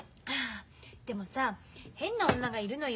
でもさ変な女がいるのよ。